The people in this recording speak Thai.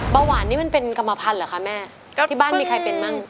หวานนี่มันเป็นกรรมภัณฑ์เหรอคะแม่ที่บ้านมีใครเป็นมั่ง